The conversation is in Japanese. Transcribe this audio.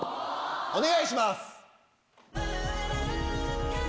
お願いします！